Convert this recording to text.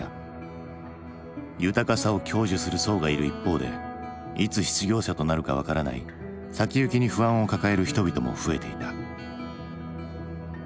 豊かさを享受する層がいる一方でいつ失業者となるか分からない先行きに不安を抱える人々も増えていた。